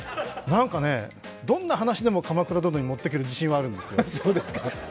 なんかね、どんな話でも「鎌倉殿」に持っていける自信があるんですよ。